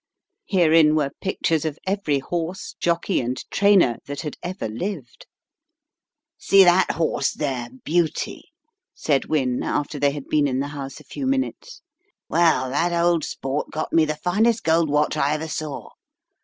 Herein were pictures of every horse, jockey, and trainer that had ever lived. "See that horse there, Beauty?" said Wynne, after they had been in the house a few minutes. "Well, that old sport got me the finest gold watch I ever saw.